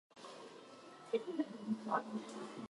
稚内